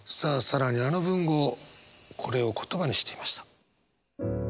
更にあの文豪これを言葉にしていました。